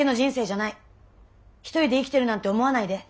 一人で生きてるなんて思わないで。